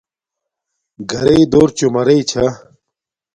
گھرݵ دور چومارݵ چھا